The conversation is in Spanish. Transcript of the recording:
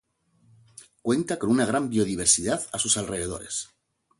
Cuenta con una gran Biodiversidad a sus alrededores.